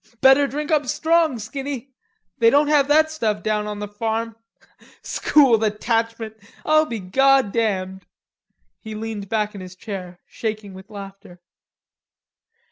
Better drink up strong, Skinny.... They don't have that stuff down on the farm.... School Detachment; I'll be goddamned!" He leaned back in his chair, shaking with laughter.